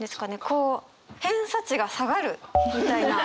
こう偏差値が下がるみたいな。